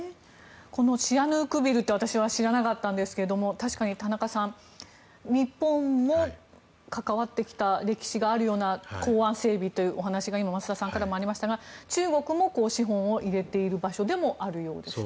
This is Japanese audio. このシアヌークビルって私は知らなかったんですが確かに田中さん日本も関わってきた歴史があるような港湾整備という話が今、増田さんからもありましたが中国も資本を入れている場所でもあるようですね。